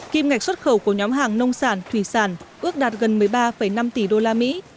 kim ngạch xuất khẩu của nhóm hàng nông sản thủy sản ước đạt gần một mươi ba năm tỷ usd